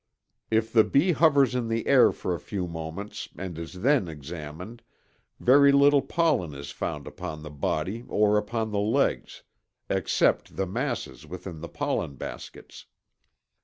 If the bee hovers in the air for a few moments and is then examined very little pollen is found upon the body or upon the legs, except the masses within the pollen baskets.